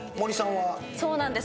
そうなんです。